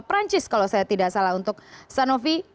perancis kalau saya tidak salah untuk sanovi